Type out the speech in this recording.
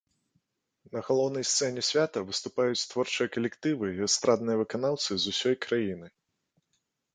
На галоўнай сцэне свята выступаюць творчыя калектывы і эстрадныя выканаўцы з усёй краіны.